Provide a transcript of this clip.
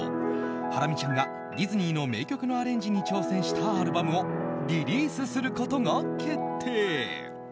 ハラミちゃんがディズニー名曲のアレンジに挑戦したアルバムをリリースすることが決定。